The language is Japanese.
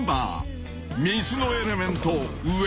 ［水のエレメント］